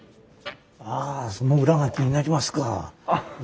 あその裏が気になりますか？